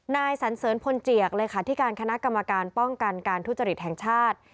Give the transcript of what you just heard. นายสันเสริญพลเจียกเลขาธิการคณะกรรมการป้องกันการทุจริตแห่งชาติ